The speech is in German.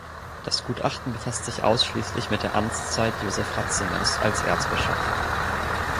Das Gutachten befasst sich ausschließlich mit der Amtszeit Joseph Ratzingers als Erzbischof.